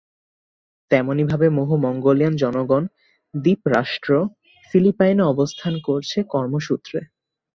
তেমনি ভাবে বহু মঙ্গোলিয়ান জনগণ দ্বীপরাষ্ট্র ফিলিপাইনে অবস্থান করছে কর্ম সূত্রে।